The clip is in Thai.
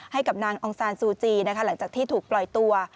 ให้กับนางองซานซูจีนะคะหลังจากที่ถูกปล่อยตัว